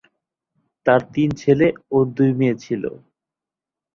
তাঁর তিন ছেলে ও দুই মেয়ে ছিল।